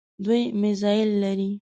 دوی میزایل لري.